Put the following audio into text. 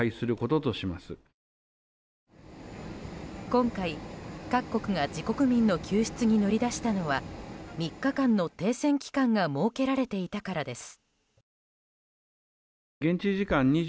今回、各国が自国民の救出に乗り出したのは３日間の停戦期間が設けられていたからです。